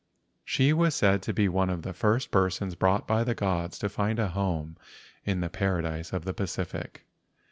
She was said to be one of the first persons brought by the gods to find a home in the Paradise of the Pacific.